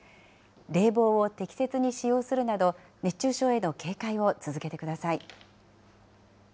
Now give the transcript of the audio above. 冷房を適切に使用するなど、熱中症への警戒を続けてください。